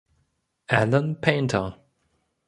Allen Painter.